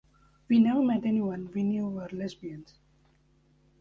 We never met anyone we knew were lesbians.